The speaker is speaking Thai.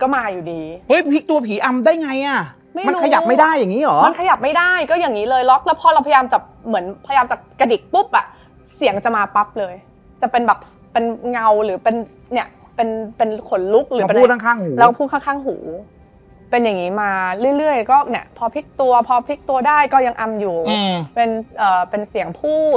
พี่โน๊ตผู้จัดการอะไรก็แบบเห็นแล้วว่าแบบเฮ้ยมันหนาวอยู่คนเดียว